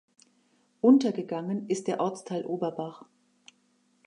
Untergegangen ist der Ortsteil Oberbach.